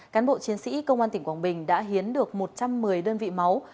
cán bộ chiến sĩ công an tỉnh quảng bình đã hiến được một trăm một mươi đơn vị máu